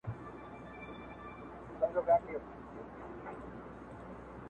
جلا لا به را ژوندۍ کي -